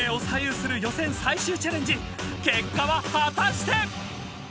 ［結果は果たして⁉］